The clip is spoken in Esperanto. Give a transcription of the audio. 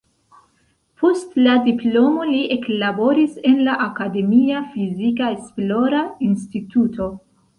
Post la diplomo li eklaboris en la akademia fizika esplora instituto.